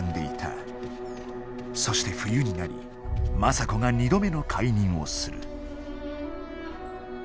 そして冬になり政子が二度目の懐妊をする。